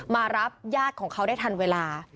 มารับญาติของเขาได้ทันเวลา